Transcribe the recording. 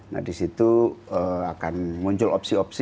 nah disitu akan muncul opsi opsi